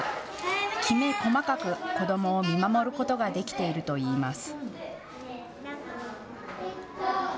きめ細かく子どもを見守ることができているといいます。